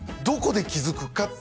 どこで気づくか